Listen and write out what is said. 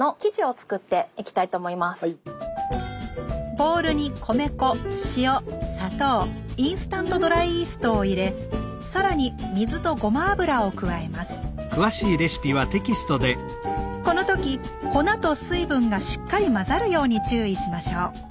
ボウルに米粉塩砂糖インスタントドライイーストを入れさらに水とごま油を加えますこのとき粉と水分がしっかり混ざるように注意しましょう